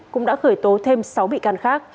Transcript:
cũng đã khởi tố thêm sáu bị can khác